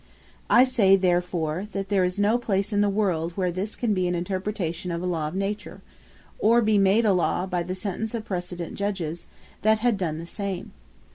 I say therefore, that there is no place in the world, where this can be an interpretation of a Law of Nature, or be made a Law by the Sentences of precedent Judges, that had done the same.